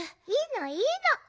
いいのいいの。